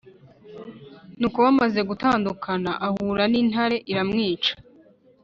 Nuko bamaze gutandukana, ahura n’intare iramwica